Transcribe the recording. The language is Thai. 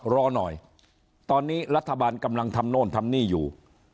รอหน่อยตอนนี้รัฐบาลกำลังทำโน่นทำนี่อยู่